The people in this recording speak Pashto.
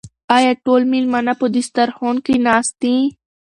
آیا ټول مېلمانه په دسترخوان کې ناست دي؟